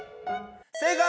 正解！